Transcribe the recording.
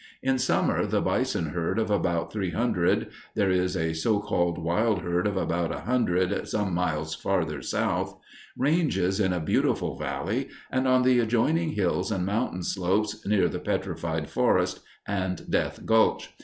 In summer the bison herd of about three hundred there is a so called wild herd of about a hundred some miles farther south ranges in a beautiful valley and on the adjoining hills and mountain slopes near the Petrified Forest and Death Gulch.